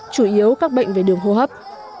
chủ yếu các bệnh về đường hô hấp